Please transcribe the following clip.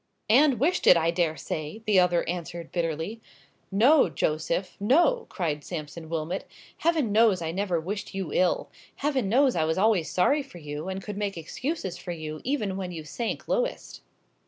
"And wished it, I dare say!" the other answered, bitterly. "No, Joseph,—no!" cried Sampson Wilmot; "Heaven knows I never wished you ill. Heaven knows I was always sorry for you, and could make excuses for you even when you sank lowest!"